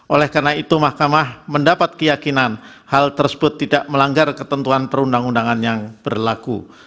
oleh karena itu mahkamah mendapat keyakinan hal tersebut tidak melanggar ketentuan perundang undangan yang berlaku